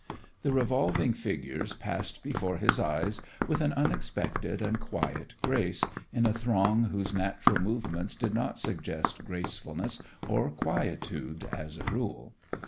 The revolving figures passed before his eyes with an unexpected and quiet grace in a throng whose natural movements did not suggest gracefulness or quietude as a rule.